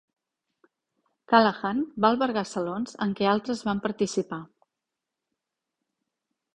Callahan va albergar salons en què altres van participar.